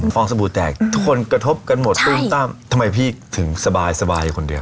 ข้อสบูรณ์แตกทุกคนกระทบกันหมดทำไมพี่ถึงสบายคนเดียว